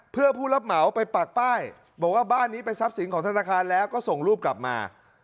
เพื่อผู้รับเหมาไปปากป้ายบอกว่าบ้านนี้เป็นทรัพย์สินของธนาคารแล้วก็ส่งรูปกลับมา